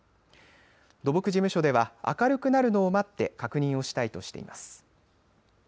土木事務所では明るくなるのを待って確認したいとしています。